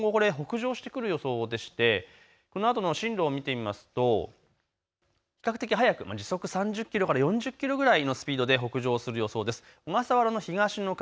今後、これは北上してくる予想で、このあとの進路を見てみますと比較的速く時速３０キロから４０キロぐらいのスピードで北上する予想です。